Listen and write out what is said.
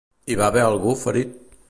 Hi va haver algú ferit?